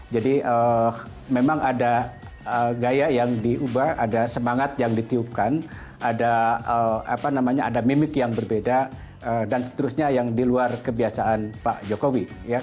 jadi memang ada gaya yang diubah ada semangat yang ditiupkan ada mimik yang berbeda dan seterusnya yang di luar kebiasaan pak jokowi